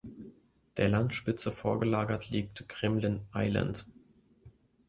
Der Landspitze vorgelagert liegt Gremlin Island.